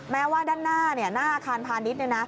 แม้ว่าด้านหน้าหน้าอาคารพาณิชย์